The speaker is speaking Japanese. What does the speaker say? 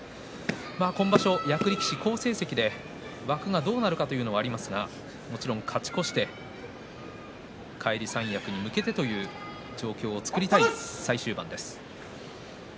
今場所役力士好成績で枠がどうなるかというのはありますがもちろん勝ち越して返り三役に向けてという状況を作りたい最終盤です。